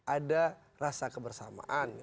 ada rasa kebersamaan